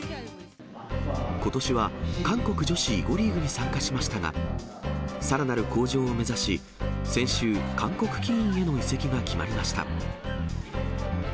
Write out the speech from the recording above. ことしは、韓国女子囲碁リーグに参加しましたが、さらなる向上を目指し、先週、韓国棋院への移籍が決まりました。